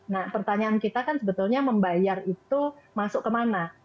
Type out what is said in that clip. nah pertanyaan kita kan sebetulnya membayar itu masuk kemana